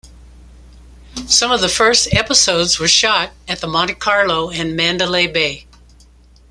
Some of the first episodes were shot at the Monte Carlo and Mandalay Bay.